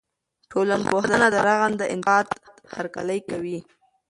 ټولنپوهنه د رغنده انتقاد هرکلی کوي.